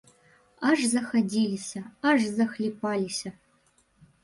Аж захадзіліся, аж захліпаліся.